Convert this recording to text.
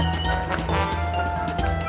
itu sasaran empuk